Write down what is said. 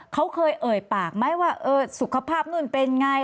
เขาเคยเอ่ยปากไหมว่าสุขภาพนู่นเป็นไง